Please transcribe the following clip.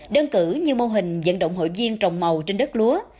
đơn cử như mô hình dẫn động hội viên trồng màu trên đất lúa